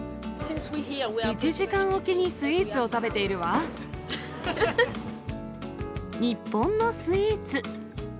１時間置きにスイーツを食べ日本のスイーツ。